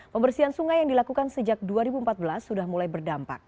pembersihan sungai yang dilakukan sejak dua ribu empat belas sudah mulai berdampak